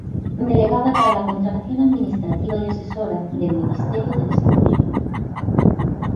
Delegada para la Contratación Administrativa y Asesora del Ministerio de Desarrollo.